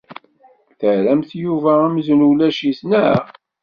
Terramt Yuba amzun ulac-it, naɣ?